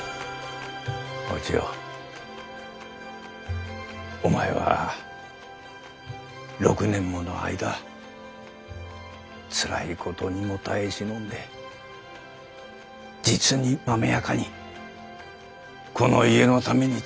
お千代お前は６年もの間つらいことにも耐え忍んで実にまめやかにこの家のために尽くしてくれた。